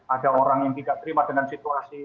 ada orang yang tidak terima dengan situasi